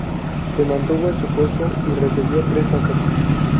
Se mantuvo en su puesto y repelió tres ataques.